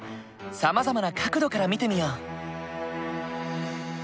さまざまな角度から見てみよう。